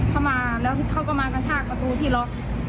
เข้ามาแล้วเขาก็มากระชากประตูที่ล็อก